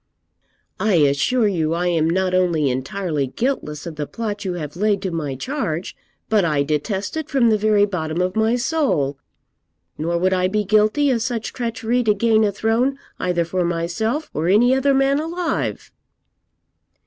'I assure you I am not only entirely guiltless of the plot you have laid to my charge, but I detest it from the very bottom of my soul, nor would I be guilty of such treachery to gain a throne, either for myself or any other man alive.'